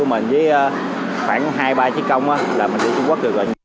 mình với khoảng hai ba chiếc công là mình đi trung quốc được rồi